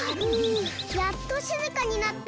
やっとしずかになった。